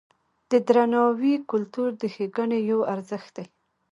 د درناوي کلتور د ښېګڼې یو ارزښت دی.